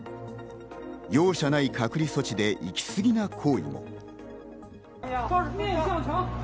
容赦ない隔離措置で行き過ぎな行為。